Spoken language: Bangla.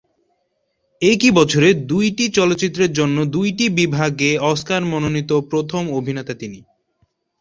একই বছরে দুইটি চলচ্চিত্রের জন্য দুইটি বিভাগে অস্কার মনোনীত প্রথম অভিনেতা তিনি।